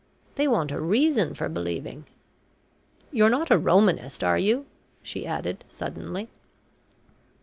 They want a reason for believing. You're not a Romanist, are you?" she added suddenly.